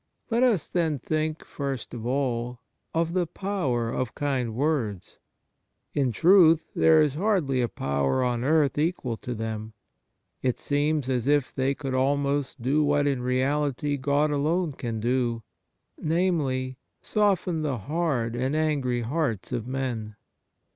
Let us then think, first of all, of the power of kind words. In truth, there is hardly a power on earth equal to them. It seems as if they could almost do what in reality God alone can do — namely, soften the hard and angry hearts of men.